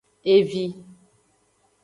Evi.